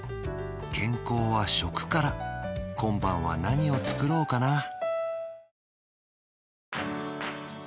健康は食から今晩は何を作ろうかな